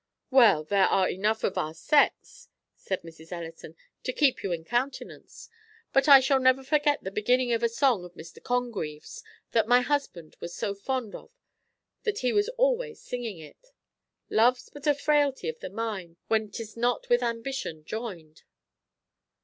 "Well, there are enow of our sex," said Mrs. Ellison, "to keep you in countenance; but I shall never forget the beginning of a song of Mr. Congreve's, that my husband was so fond of that he was always singing it: Love's but a frailty of the mind, When 'tis not with ambition join'd.